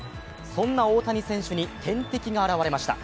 そんな大谷選手に天敵が現れました。